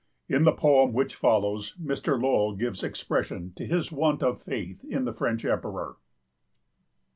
In the poem which follows Mr. Lowell gives expression to his want of faith in the French emperor.